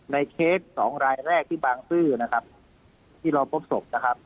เคสสองรายแรกที่บางซื่อนะครับที่เราพบศพนะครับ